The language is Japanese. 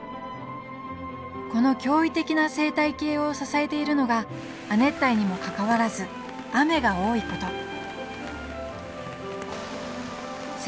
この驚異的な生態系を支えているのが亜熱帯にもかかわらず雨が多いこと